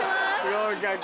合格。